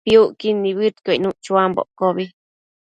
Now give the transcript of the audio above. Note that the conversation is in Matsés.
Piucquid nibëdnuc chuambo iccobi